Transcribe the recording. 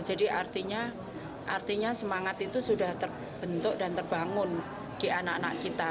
jadi artinya artinya semangat itu sudah terbentuk dan terbangun di anak anak kita